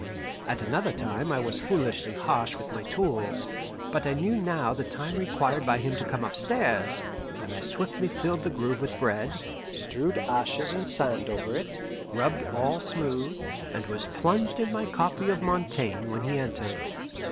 At another time I was foolishly harsh with my tools; but I knew now the time required by him to come upstairs, and I swiftly filled the groove with bread, strewed ashes and sand over it, rubbed all smooth, and was plunged in my copy of Montaigne when he entered.